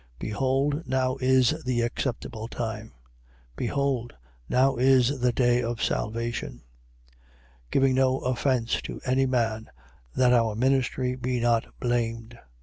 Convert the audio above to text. Behold, now is the acceptable time: behold, now is the day of salvation. 6:3. Giving no offence to any man, that our ministry be not blamed. 6:4.